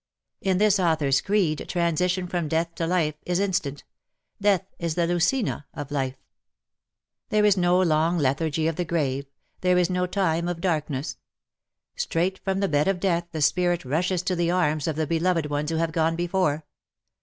In this author's creed transition from death to life is instant — death is the Lucina of life. There is no VOL. m. D 84 ^^ YOURS ON MONDAY, GOD's TO DAY." long lethargy of the grave, there is no time of dark ness. Straight from the bed of death the spirit rushes to the arms of the beloved ones who have gone before.